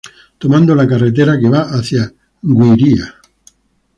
Tomando la carretera que va hacia Güiria.